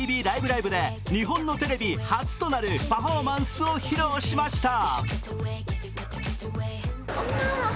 ライブ！」で日本のテレビ初となるパフォーマンスを披露しました。